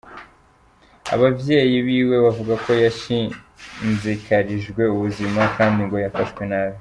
Abavyeyi biwe bavuga ko yasinzikarijwe ubuzima kandi ko yafashwe nabi.